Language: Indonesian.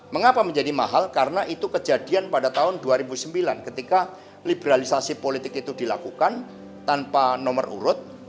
mengapa menjadi mahal karena itu kejadian pada tahun dua ribu sembilan ketika liberalisasi politik itu dilakukan tanpa nomor urut